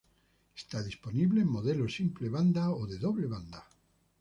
Está disponible en modelo simple banda o de doble banda.